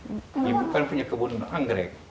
ibu kan punya kebun anggrek